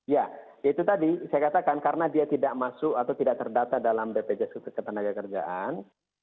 ya itu tadi saya katakan karena dia tidak masuk atau tidak terdata dalam bpjs ketenagakerjaan